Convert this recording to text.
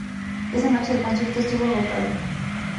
Esa noche el concierto estuvo agotado.